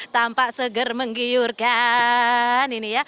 tampak seger menggiurkan